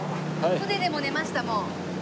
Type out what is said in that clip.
船でも寝ましたもう。